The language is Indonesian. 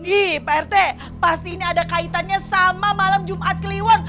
nih pak rt pasti ini ada kaitannya sama malam jumat keliwon